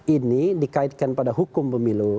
ini dikaitkan pada hukum pemilu